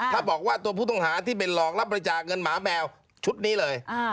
ถ้าบอกว่าตัวผู้ต้องหาที่เป็นหลอกรับบริจาคเงินหมาแมวชุดนี้เลย